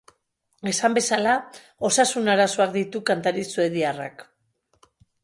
Esan bezala, osasun arazoak ditu kantari suediarrak.